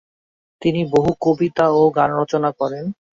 তিনি বহু কবিতা ও গান রচনা করেন।